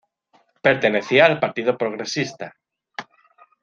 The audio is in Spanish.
Pertenecía al Partido Progresista.